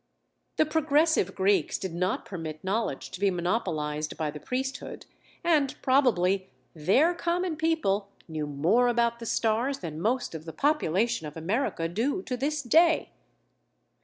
The progressive Greeks did not permit knowledge to be monopolized by the priesthood and probably their common people knew more about the stars than most of the population of America do to this day.